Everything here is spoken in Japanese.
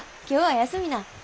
今日は休みなん。